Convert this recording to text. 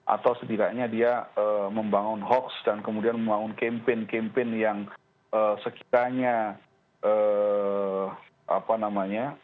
atau setidaknya dia membangun hoaks dan kemudian membangun kempen kempen yang sekiranya apa namanya